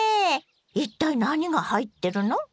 一体何が入ってるの？